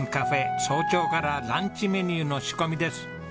早朝からランチメニューの仕込みです。